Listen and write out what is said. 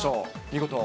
見事。